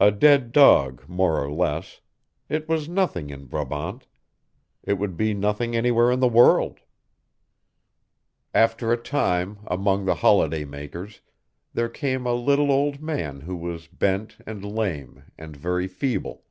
A dead dog more or less it was nothing in Brabant: it would be nothing anywhere in the world. After a time, among the holiday makers, there came a little old man who was bent and lame, and very feeble.